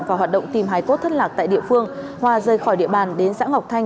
và hoạt động tìm hải cốt thất lạc tại địa phương hòa rời khỏi địa bàn đến xã ngọc thanh